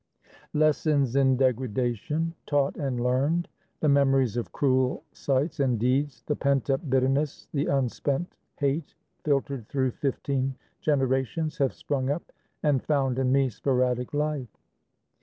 Lessons in degradation, taught and learned, The memories of cruel sights and deeds, The pent up bitterness, the unspent hate Filtered through fifteen generations have Sprung up and found in me sporadic life.